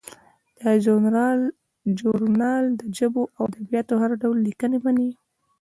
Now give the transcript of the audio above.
دا ژورنال د ژبو او ادبیاتو هر ډول لیکنې مني.